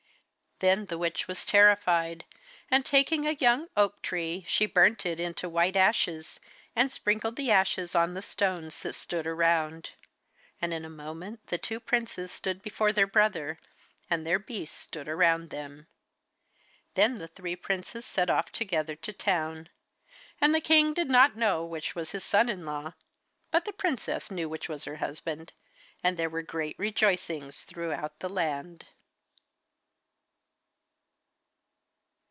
Then the witch was terrified, and taking a young oak tree she burnt it into white ashes, and sprinkled the ashes on the stones that stood around. And in a moment the two princes stood before their brother, and their beasts stood round them. Then the three princes set off together to the town. And the king did not know which was his son in law, but the princess knew which was her husband, and there were great rejoicings throughout the land.